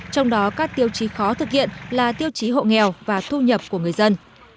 trong đó các tiêu chí khó thực hiện là tiêu chí hộ nghèo và thu nhập của người dân